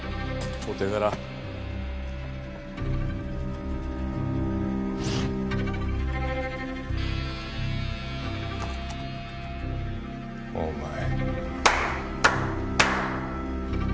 お手柄お前